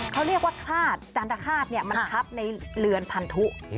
เขาเรียกว่าทราศน์จันทราศน์นี่มันทับในเรือนพันธุ